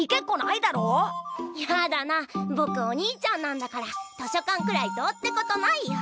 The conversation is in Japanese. いやだなぼくお兄ちゃんなんだから図書館くらいどうってことないよ。